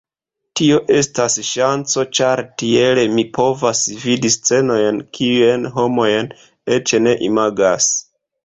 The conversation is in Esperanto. Tio estas ŝanco ĉar, tiel, mi povas vidi scenojn kiujn homojn eĉ ne imagas.